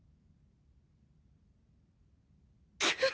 くっ。